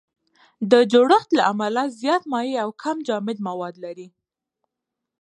د جوړښت له امله زیات مایع او کم جامد مواد لري.